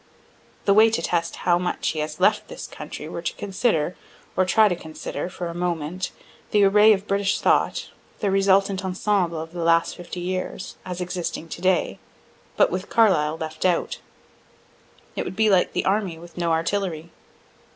The way to test how much he has left his country were to consider, or try to consider, for a moment, the array of British thought, the resultant ensemble of the last fifty years, as existing to day, but with Carlyle left out. It would be like an army with no artillery.